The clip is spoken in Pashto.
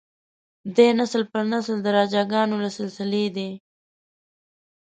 دی نسل پر نسل د راجه ګانو له سلسلې دی.